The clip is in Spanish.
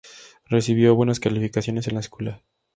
Recibió buenas calificaciones en la escuela.